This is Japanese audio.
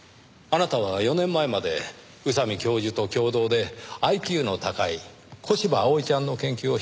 あなたは４年前まで宇佐美教授と共同でＩＱの高い小柴葵ちゃんの研究をしていました。